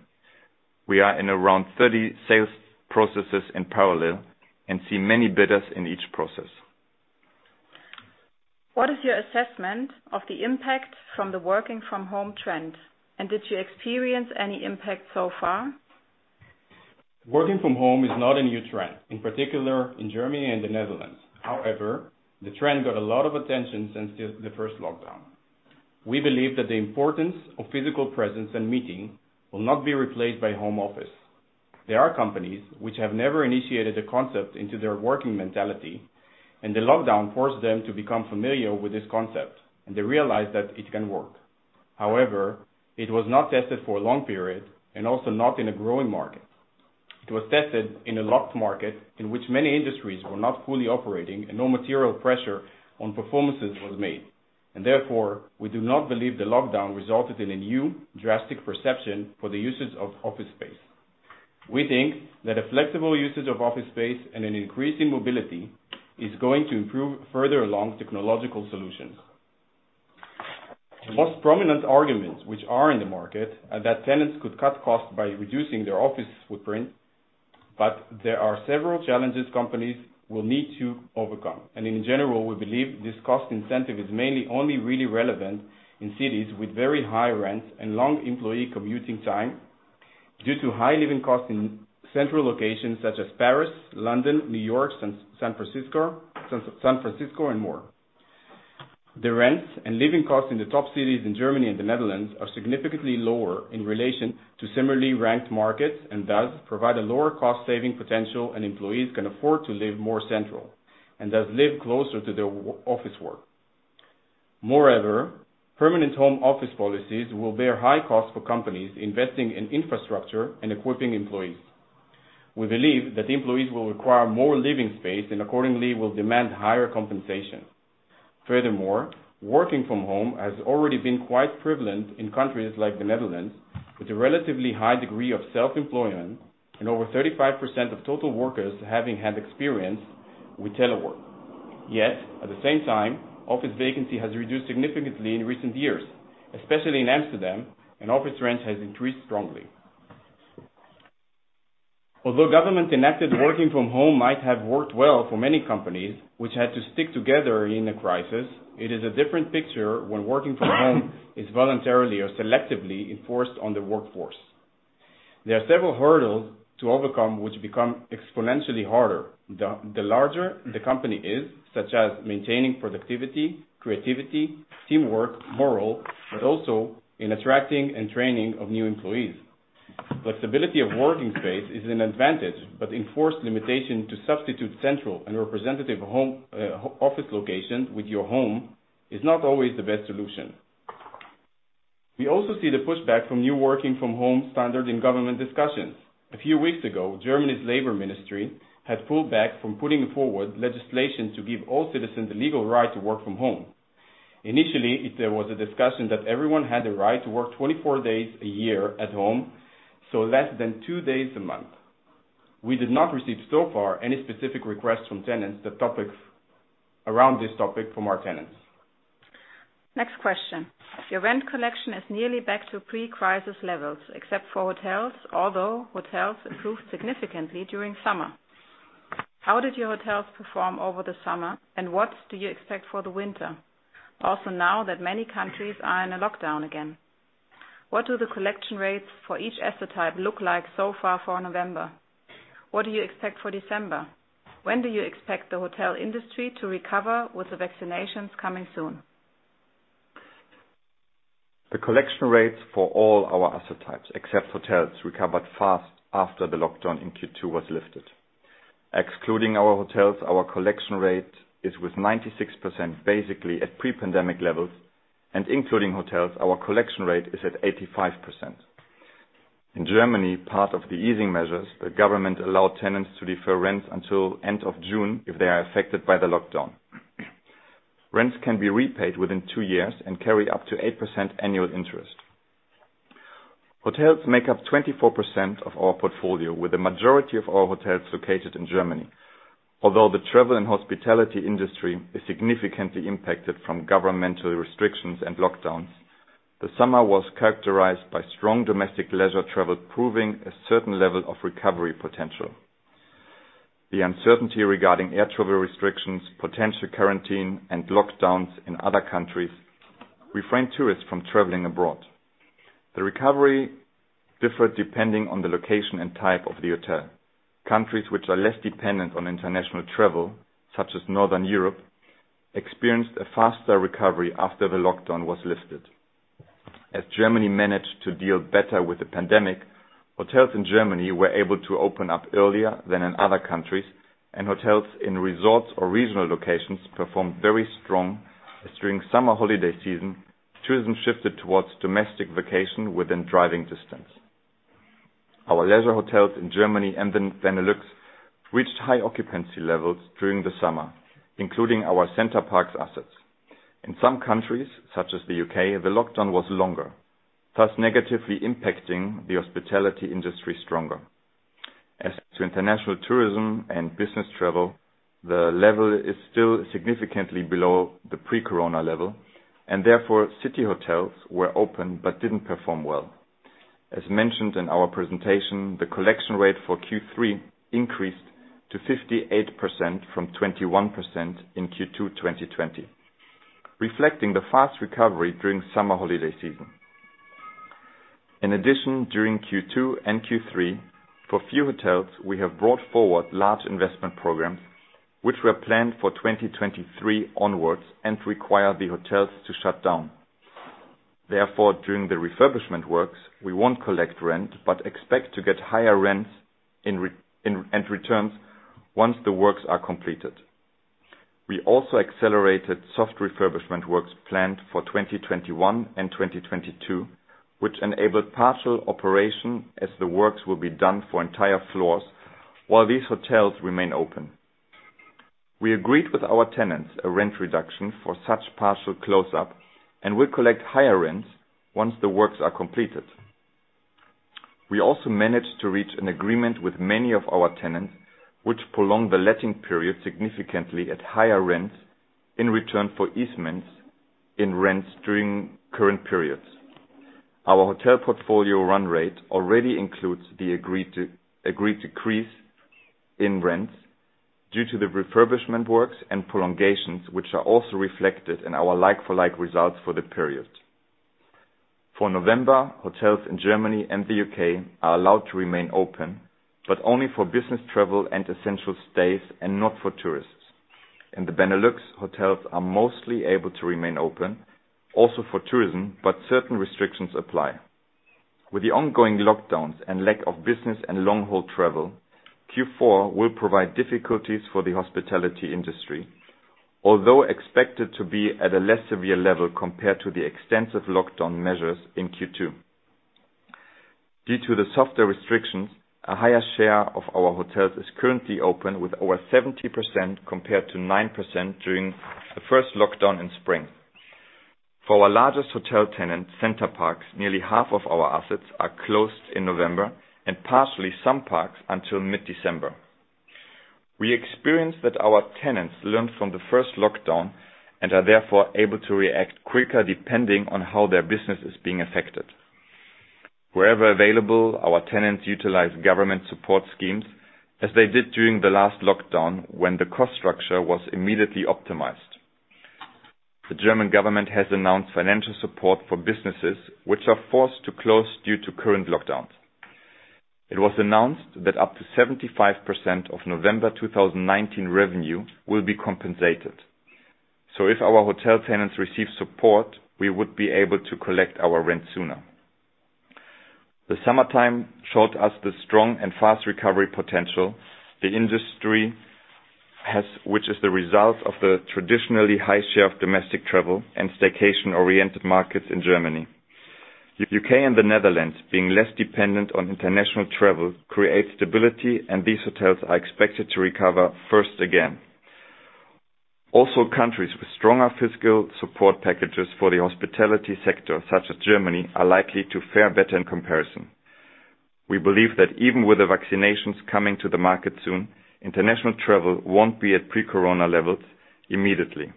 We are in around 30 sales processes in parallel and see many bidders in each process. What is your assessment of the impact from the working from home trend? Did you experience any impact so far? Working from home is not a new trend, in particular in Germany and the Netherlands. However, the trend got a lot of attention since the first lockdown. We believe that the importance of physical presence and meeting will not be replaced by home office. There are companies which have never initiated a concept into their working mentality, and the lockdown forced them to become familiar with this concept, and they realized that it can work. However, it was not tested for a long period and also not in a growing market. It was tested in a locked market in which many industries were not fully operating and no material pressure on performances was made. Therefore, we do not believe the lockdown resulted in a new drastic perception for the usage of office space. We think that a flexible usage of office space and an increase in mobility is going to improve further along technological solutions. The most prominent arguments which are in the market are that tenants could cut costs by reducing their office footprint, but there are several challenges companies will need to overcome. In general, we believe this cost incentive is mainly only really relevant in cities with very high rents and long employee commuting time due to high living costs in central locations such as Paris, London, New York, San Francisco, and more. The rents and living costs in the top cities in Germany and the Netherlands are significantly lower in relation to similarly ranked markets and, thus, provide a lower cost saving potential, and employees can afford to live more central and, thus, live closer to their office work. Moreover, permanent home office policies will bear high cost for companies investing in infrastructure and equipping employees. We believe that employees will require more living space and accordingly will demand higher compensation. Furthermore, working from home has already been quite prevalent in countries like the Netherlands, with a relatively high degree of self-employment and over 35% of total workers having had experience with telework. Yet, at the same time, office vacancy has reduced significantly in recent years, especially in Amsterdam, and office rents has increased strongly. Although government-enacted working from home might have worked well for many companies which had to stick together in the crisis, it is a different picture when working from home is voluntarily or selectively enforced on the workforce. There are several hurdles to overcome which become exponentially harder the larger the company is, such as maintaining productivity, creativity, teamwork, morale, but also in attracting and training of new employees. Flexibility of working space is an advantage, but enforced limitation to substitute central and representative home office location with your home is not always the best solution. We also see the pushback from new working from home standard in government discussions. A few weeks ago, Germany's Labor Ministry had pulled back from putting forward legislation to give all citizens the legal right to work from home. Initially, there was a discussion that everyone had the right to work 24 days a year at home, so less than two days a month. We did not receive so far any specific requests from tenants around this topic from our tenants. Next question. Your rent collection is nearly back to pre-crisis levels, except for hotels, although hotels improved significantly during summer. How did your hotels perform over the summer, and what do you expect for the winter, also now that many countries are in a lockdown again? What do the collection rates for each asset type look like so far for November? What do you expect for December? When do you expect the hotel industry to recover with the vaccinations coming soon? The collection rates for all our asset types, except hotels, recovered fast after the lockdown in Q2 was lifted. Excluding our hotels, our collection rate is at 96% basically at pre-pandemic levels, and including hotels, our collection rate is at 85%. In Germany, part of the easing measures, the government allowed tenants to defer rents until end of June if they are affected by the lockdown. Rents can be repaid within two years and carry up to 8% annual interest. Hotels make up 24% of our portfolio, with the majority of our hotels located in Germany. Although the travel and hospitality industry is significantly impacted from governmental restrictions and lockdowns, the summer was characterized by strong domestic leisure travel, proving a certain level of recovery potential. The uncertainty regarding air travel restrictions, potential quarantine, and lockdowns in other countries refrain tourists from traveling abroad. The recovery differs depending on the location and type of the hotel. Countries which are less dependent on international travel, such as Northern Europe, experienced a faster recovery after the lockdown was lifted. As Germany managed to deal better with the pandemic, hotels in Germany were able to open up earlier than in other countries, and hotels in resorts or regional locations performed very strong as during summer holiday season, tourism shifted towards domestic vacation within driving distance. Our leisure hotels in Germany and the Benelux reached high occupancy levels during the summer, including our Center Parcs assets. In some countries, such as the U.K., the lockdown was longer, thus negatively impacting the hospitality industry stronger. As to international tourism and business travel, the level is still significantly below the pre-corona level, and therefore, city hotels were open but didn't perform well. As mentioned in our presentation, the collection rate for Q3 increased to 58% from 21% in Q2, 2020, reflecting the fast recovery during summer holiday season. In addition, during Q2 and Q3, for few hotels, we have brought forward large investment programs which were planned for 2023 onwards and require the hotels to shut down. Therefore, during the refurbishment works, we won't collect rent, but expect to get higher rents and returns once the works are completed. We also accelerated soft refurbishment works planned for 2021 and 2022, which enabled partial operation as the works will be done for entire floors while these hotels remain open. We agreed with our tenants a rent reduction for such partial closure, and we collect higher rents once the works are completed. We also managed to reach an agreement with many of our tenants, which prolonged the letting period significantly at higher rents in return for abatements in rents during current periods. Our hotel portfolio run rate already includes the agreed decrease in rents due to the refurbishment works and prolongations, which are also reflected in our like for like results for the period. For November, hotels in Germany and the U.K. are allowed to remain open, but only for business travel and essential stays and not for tourists. In the Benelux, hotels are mostly able to remain open, also for tourism, but certain restrictions apply. With the ongoing lockdowns and lack of business and long-haul travel, Q4 will provide difficulties for the hospitality industry, although expected to be at a less severe level compared to the extensive lockdown measures in Q2. Due to the softer restrictions, a higher share of our hotels is currently open with over 70% compared to 9% during the first lockdown in spring. For our largest hotel tenant, Center Parcs, nearly half of our assets are closed in November and partially some parks until mid-December. We experienced that our tenants learned from the first lockdown and are therefore able to react quicker depending on how their business is being affected. Wherever available, our tenants utilize government support schemes as they did during the last lockdown when the cost structure was immediately optimized. The German government has announced financial support for businesses which are forced to close due to current lockdowns. It was announced that up to 75% of November 2019 revenue will be compensated. If our hotel tenants receive support, we would be able to collect our rent sooner. The summertime showed us the strong and fast recovery potential the industry has, which is the result of the traditionally high share of domestic travel and staycation-oriented markets in Germany, the U.K. and the Netherlands being less dependent on international travel creates stability, and these hotels are expected to recover first again. Also, countries with stronger fiscal support packages for the hospitality sector, such as Germany, are likely to fare better in comparison. We believe that even with the vaccinations coming to the market soon, international travel won't be at pre-corona levels immediately.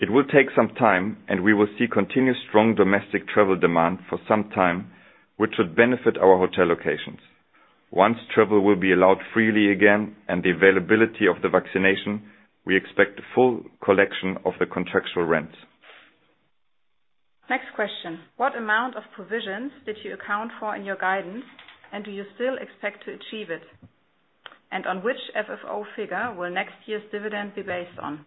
It will take some time, and we will see continued strong domestic travel demand for some time, which should benefit our hotel locations. Once travel will be allowed freely again and the availability of the vaccination, we expect a full collection of the contractual rents. Next question. What amount of provisions did you account for in your guidance, and do you still expect to achieve it? On which FFO figure will next year's dividend be based on?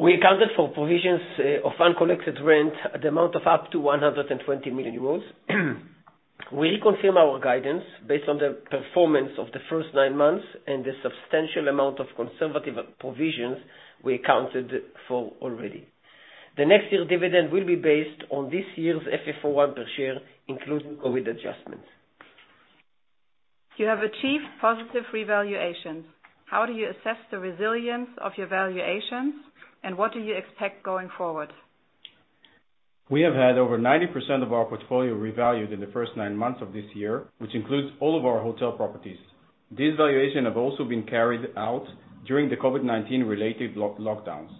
We accounted for provisions of uncollected rent at the amount of up to 120 million euros. We reconfirm our guidance based on the performance of the first nine months and the substantial amount of conservative provisions we accounted for already. The next year dividend will be based on this year's FFO I per share, including COVID adjustments. You have achieved positive revaluations. How do you assess the resilience of your valuations, and what do you expect going forward? We have had over 90% of our portfolio revalued in the first nine months of this year, which includes all of our hotel properties. These valuations have also been carried out during the COVID-19 related lockdowns.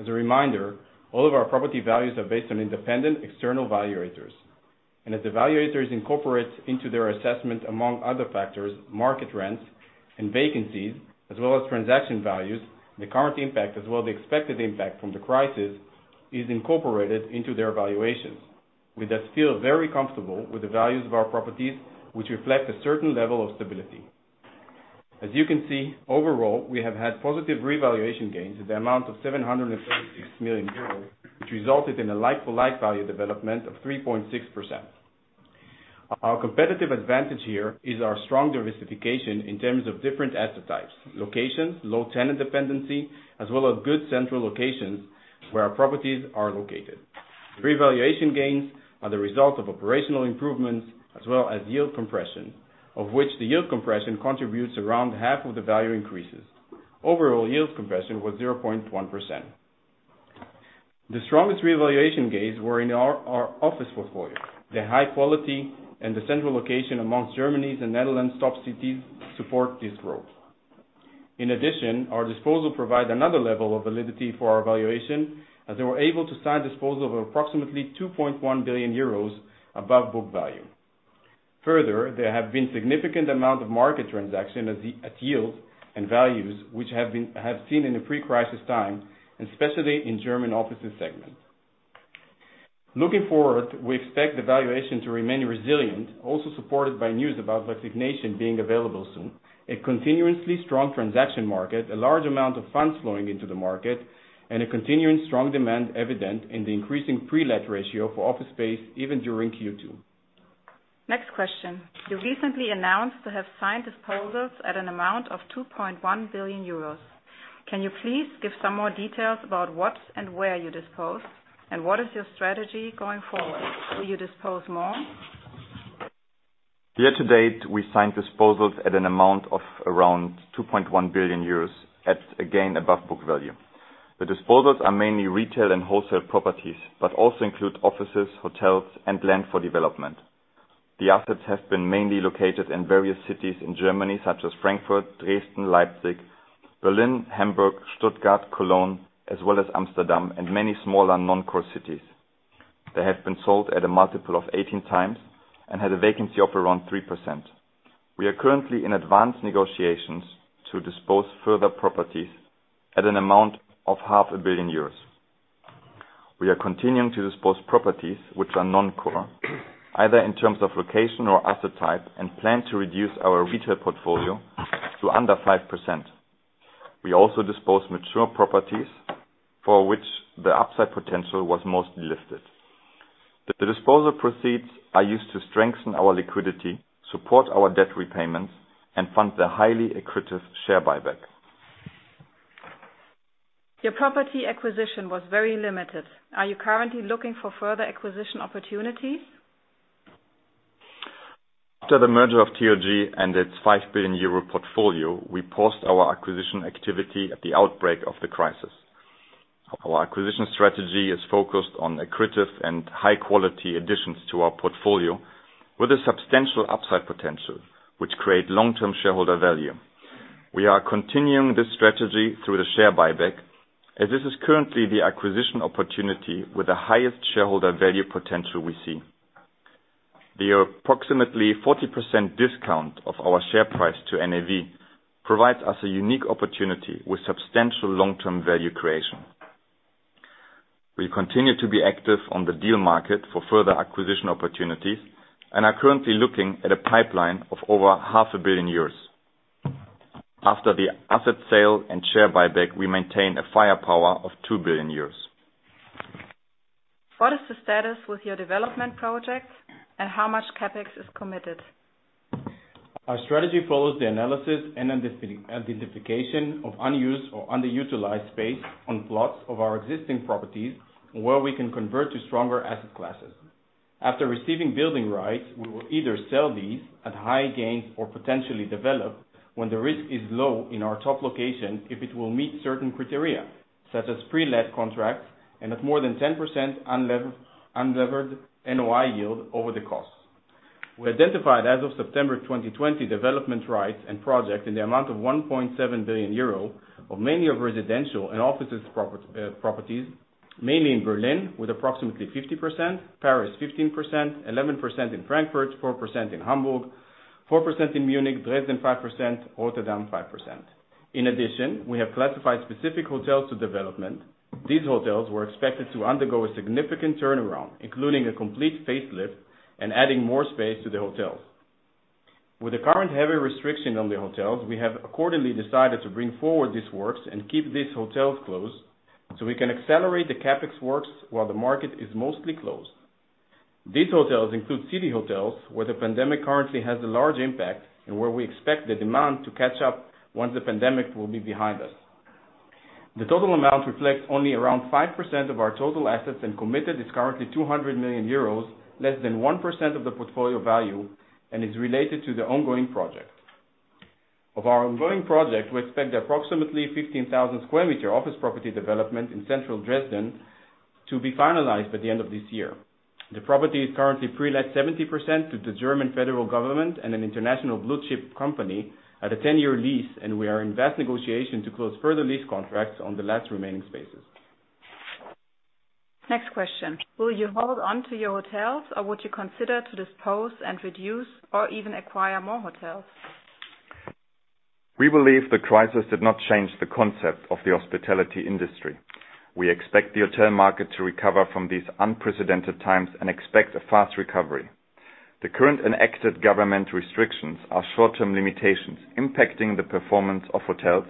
As a reminder, all of our property values are based on independent external valuators. As the valuators incorporate into their assessment, among other factors, market rents and vacancies, as well as transaction values, the current impact, as well as the expected impact from the crisis, is incorporated into their valuations. We just feel very comfortable with the values of our properties, which reflect a certain level of stability. As you can see, overall, we have had positive revaluation gains in the amount of 736 million euros, which resulted in a like-for-like value development of 3.6%. Our competitive advantage here is our strong diversification in terms of different asset types, locations, low tenant dependency, as well as good central locations where our properties are located. Revaluation gains are the result of operational improvements as well as yield compression, of which the yield compression contributes around half of the value increases. Overall, yield compression was 0.1%. The strongest revaluation gains were in our office portfolio. The high quality and the central location among Germany's and Netherlands' top cities support this growth. In addition, our disposals provide another level of validity for our valuation, as we were able to sign disposals of approximately 2.1 billion euros above book value. Further, there have been significant amounts of market transactions at yields and values, which have seen in the pre-crisis time, especially in German office segment. Looking forward, we expect the valuation to remain resilient, also supported by news about vaccination being available soon, a continuously strong transaction market, a large amount of funds flowing into the market, and a continuing strong demand evident in the increasing pre-let ratio for office space, even during Q2. Next question. You recently announced to have signed disposals at an amount of 2.1 billion euros. Can you please give some more details about what and where you disposed, and what is your strategy going forward? Will you dispose more? Year to date, we signed disposals at an amount of around 2.1 billion euros, at again, above book value. The disposals are mainly retail and wholesale properties, but also include offices, hotels, and land for development. The assets have been mainly located in various cities in Germany, such as Frankfurt, Dresden, Leipzig, Berlin, Hamburg, Stuttgart, Cologne, as well as Amsterdam and many smaller non-core cities. They have been sold at a multiple of 18x and had a vacancy of around 3%. We are currently in advanced negotiations to dispose further properties at an amount of half a billion EUR. We are continuing to dispose properties which are non-core, either in terms of location or asset type, and plan to reduce our retail portfolio to under 5%. We also dispose mature properties for which the upside potential was mostly lifted. The disposal proceeds are used to strengthen our liquidity, support our debt repayments, and fund the highly accretive share buyback. Your property acquisition was very limited. Are you currently looking for further acquisition opportunities? After the merger of TLG and its 5 billion euro portfolio, we paused our acquisition activity at the outbreak of the crisis. Our acquisition strategy is focused on accretive and high quality additions to our portfolio with a substantial upside potential, which create long-term shareholder value. We are continuing this strategy through the share buyback, as this is currently the acquisition opportunity with the highest shareholder value potential we see. The approximately 40% discount of our share price to NAV provides us a unique opportunity with substantial long-term value creation. We continue to be active on the deal market for further acquisition opportunities and are currently looking at a pipeline of over half a billion EUR. After the asset sale and share buyback, we maintain a firepower of 2 billion euros. What is the status with your development projects, and how much CapEx is committed? Our strategy follows the analysis and identification of unused or underutilized space on plots of our existing properties where we can convert to stronger asset classes. After receiving building rights, we will either sell these at high gains or potentially develop when the risk is low in our top location if it will meet certain criteria, such as pre-let contracts and at more than 10% unlevered NOI yield over the cost. We identified as of September 2020 development rights and projects in the amount of 1.7 billion euro of mainly residential and office properties, mainly in Berlin, with approximately 50%, Paris 15%, 11% in Frankfurt, 4% in Hamburg, 4% in Munich, Dresden 5%, Rotterdam 5%. In addition, we have classified specific hotels to development. These hotels were expected to undergo a significant turnaround, including a complete facelift and adding more space to the hotels. With the current heavy restriction on the hotels, we have accordingly decided to bring forward these works and keep these hotels closed, so we can accelerate the CapEx works while the market is mostly closed. These hotels include city hotels, where the pandemic currently has a large impact, and where we expect the demand to catch up once the pandemic will be behind us. The total amount reflects only around 5% of our total assets, and committed is currently 200 million euros, less than 1% of the portfolio value, and is related to the ongoing project. Of our ongoing project, we expect approximately 15,000 sq m office property development in central Dresden to be finalized by the end of this year. The property is currently pre-let 70% to the German federal government and an international blue-chip company at a 10-year lease, and we are in advanced negotiations to close further lease contracts on the last remaining spaces. Next question. Will you hold on to your hotels or would you consider to dispose and reduce or even acquire more hotels? We believe the crisis did not change the concept of the hospitality industry. We expect the hotel market to recover from these unprecedented times and expect a fast recovery. The current enacted government restrictions are short-term limitations impacting the performance of hotels,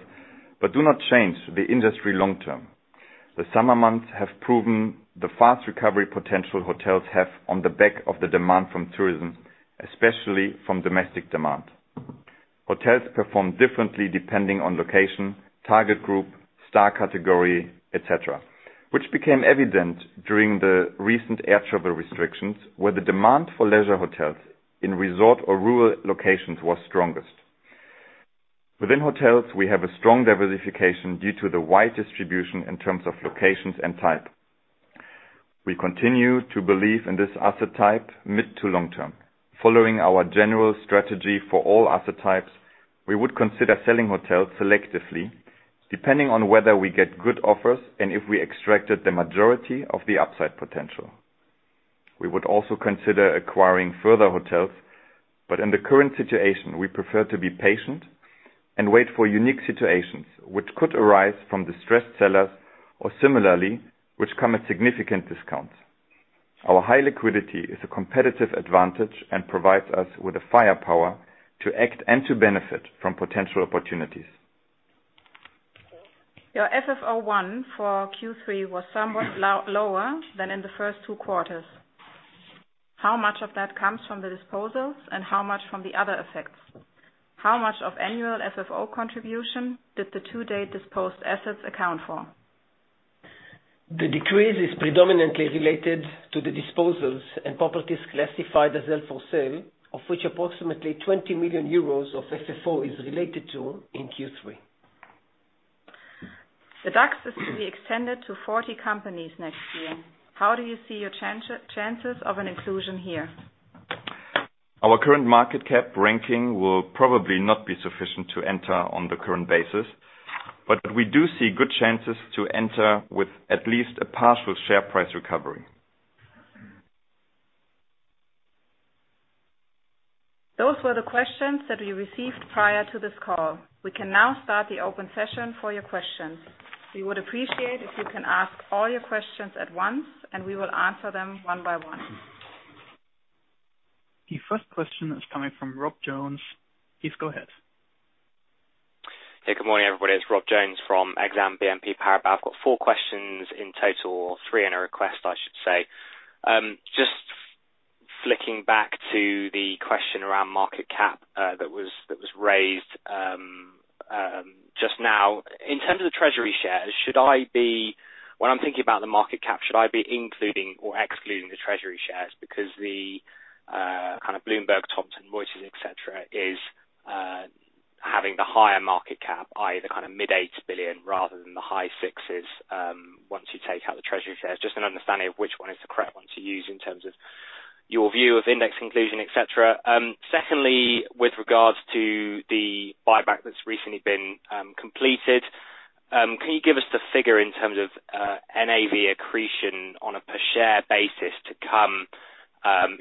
but do not change the industry long term. The summer months have proven the fast recovery potential hotels have on the back of the demand from tourism, especially from domestic demand. Hotels perform differently depending on location, target group, star category, et cetera, which became evident during the recent air travel restrictions, where the demand for leisure hotels in resort or rural locations was strongest. Within hotels, we have a strong diversification due to the wide distribution in terms of locations and type. We continue to believe in this asset type mid to long term. Following our general strategy for all asset types, we would consider selling hotels selectively, depending on whether we get good offers and if we extracted the majority of the upside potential. We would also consider acquiring further hotels, but in the current situation, we prefer to be patient and wait for unique situations which could arise from distressed sellers or similarly, which come at significant discounts. Our high liquidity is a competitive advantage and provides us with the firepower to act and to benefit from potential opportunities. Your FFO I for Q3 was somewhat lower than in the first two quarters. How much of that comes from the disposals and how much from the other effects? How much of annual FFO contribution did the to-date disposed assets account for? The decrease is predominantly related to the disposals and properties classified as held for sale, of which approximately 20 million euros of FFO is related to in Q3. The DAX is to be extended to 40 companies next year. How do you see your chances of an inclusion here? Our current market cap ranking will probably not be sufficient to enter on the current basis, but we do see good chances to enter with at least a partial share price recovery. Those were the questions that we received prior to this call. We can now start the open session for your questions. We would appreciate if you can ask all your questions at once, and we will answer them one by one. The first question is coming from Rob Jones. Please go ahead. Hey, good morning, everybody. It's Rob Jones from Exane BNP Paribas. I've got four questions in total, three and a request, I should say. Just flicking back to the question around market cap that was raised just now. In terms of treasury shares, should I be, when I'm thinking about the market cap, including or excluding the treasury shares? Because the kind of Bloomberg, Thomson Reuters, et cetera, is having the higher market cap, i.e., the kinda mid-EUR 80 billion rather than the high 60s, once you take out the treasury shares. Just an understanding of which one is the correct one to use in terms of your view of index inclusion, et cetera. Secondly, with regards to the buyback that's recently been completed, can you give us the figure in terms of NAV accretion on a per share basis to come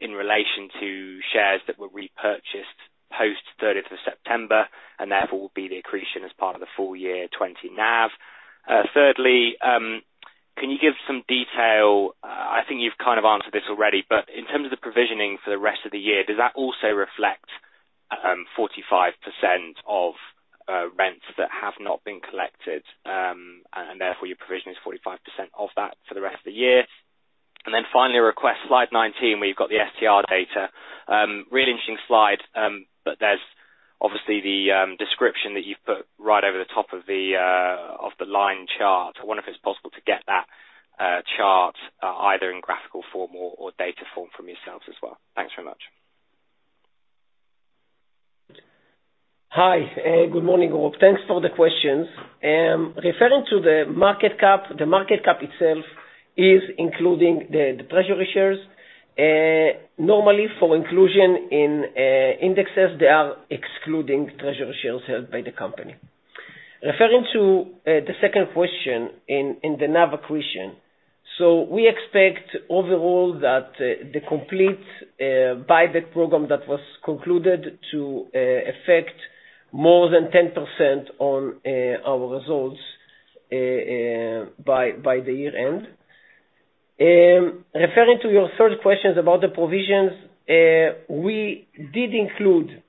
in relation to shares that were repurchased post 30th September, and therefore will be the accretion as part of the full year 2020 NAV? Thirdly, can you give some detail, I think you've kind of answered this already, but in terms of the provisioning for the rest of the year, does that also reflect 45% of rents that have not been collected, and therefore your provision is 45% of that for the rest of the year? Finally a request. Slide 19, where you've got the STR data. Really interesting slide, but there's obviously the description that you've put right over the top of the line chart. I wonder if it's possible to get that chart either in graphical form or data form from yourselves as well. Thanks very much. Hi, good morning, Rob. Thanks for the questions. Referring to the market cap, the market cap itself is including the treasury shares. Normally for inclusion in indexes, they are excluding treasury shares held by the company. Referring to the second question in the NAV accretion. We expect overall that the complete buyback program that was concluded to affect more than 10% on our results by the year-end. Referring to your third question about the provisions, we did include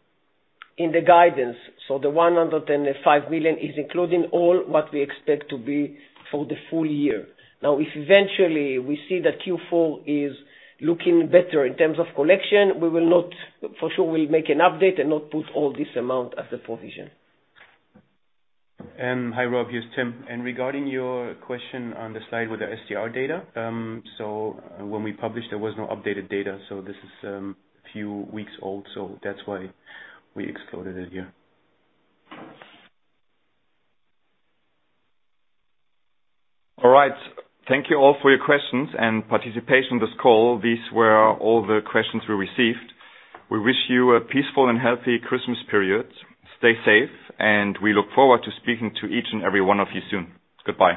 in the guidance, so the 105 million is including all what we expect to be for the full year. Now, if eventually we see that Q4 is looking better in terms of collection, for sure we will make an update and not put all this amount as a provision. Hi, Rob. Yes, Tim. Regarding your question on the slide with the STR data, so when we published, there was no updated data, so this is a few weeks old, so that's why we excluded it here. All right. Thank you all for your questions and participation in this call. These were all the questions we received. We wish you a peaceful and healthy Christmas period. Stay safe, and we look forward to speaking to each and every one of you soon. Goodbye.